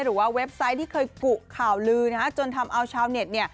หรือว่าเว็บไซต์ที่เคยกุข่าวลือจนทำเอาชาวเน็ต